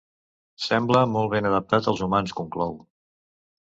Sembla molt ben adaptat als humans, conclou.